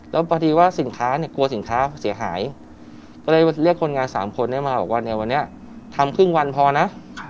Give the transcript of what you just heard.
แล้วพอดีว่าสินค้าเนี่ยกลัวสินค้าเสียหายก็เลยเรียกคนงาน๓คนมาบอกว่าเนี่ยวันนี้ทำครึ่งวันพอนะ